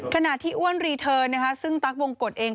ขณะที่อ้วนรีเทิร์นซึ่งตั๊กวงกฎเอง